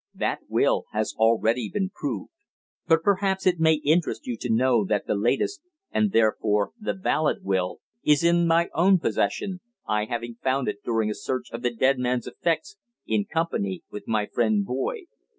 That will has already been proved; but perhaps it may interest you to know that the latest and therefore the valid will is in my own possession, I having found it during a search of the dead man's effects in company with my friend Boyd.